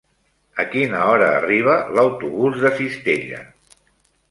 A quina hora arriba l'autobús de Cistella?